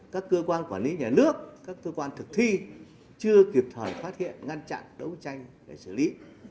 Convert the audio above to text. các cơ quan quản lý nhà nước các cơ quan thực thi chưa kịp thời phát hiện ngăn chặn đấu tranh để xử lý